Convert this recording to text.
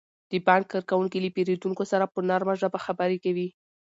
د بانک کارکوونکي له پیرودونکو سره په نرمه ژبه خبرې کوي.